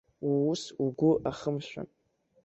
Уус угәы ахымшәан.